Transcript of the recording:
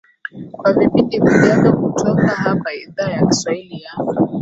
kwa vipindi vijavyo kutoka hapa idhaa ya kiswahili ya